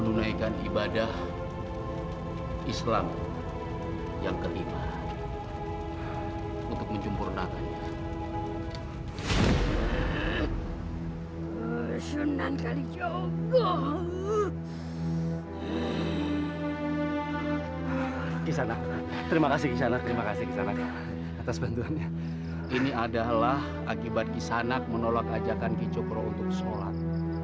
danang dan temasku akan mengejar kalian